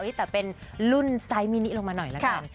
แต่เป็นรุ่นไซส์มินิลงมาหน่อยละกัน